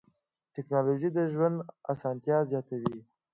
ټکنالوجي د ژوند اسانتیا زیاتوي.